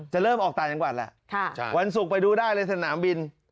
จะเริ่มออกต่างกว่าแล้วค่ะใช่วันศุกร์ไปดูได้เลยสนามบิน